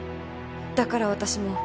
だから私も。